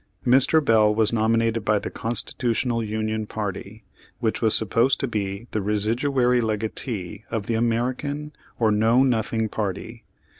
Mr. Bell was nominated by the Con stitutional Union party, which was supposed to be the residuary legatee of the American, or Know Nothing party.